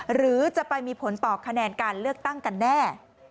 หรือจะไปมีผลต่อคะแนนการเลือกตั้งกันแน่